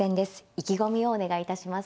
意気込みをお願いいたします。